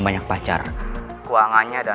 banyak pacar keuangannya dan